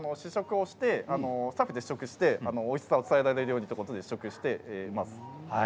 スタッフで試食しておいしさを伝えられるようにしています。